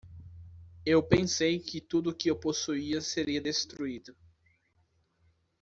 Eu pensei que tudo que eu possuía seria destruído.